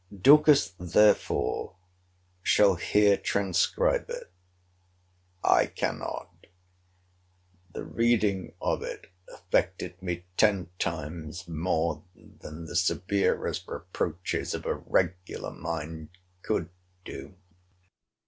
Dorcas therefore shall here transcribe it. I cannot. The reading of it affected me ten times more than the severest reproaches of a regular mind could do.